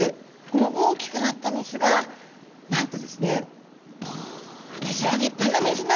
この大きくなったメスがなんとですね